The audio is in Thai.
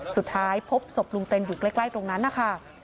สุดท้ายพบศพลุงเต็นอยู่ใกล้ตรงนั้นนะคะ